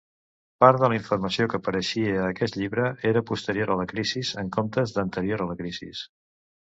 Part de la informació que apareixia a aquest llibre era posterior a la "crisis" en comptes d'anterior a la "crisis".